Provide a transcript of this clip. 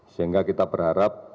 sehingga kita berharap